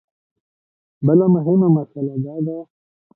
بله مهمه مسله دا ده.